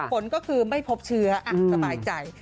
ผลก็คือไม่พบเชื้อสบายใจ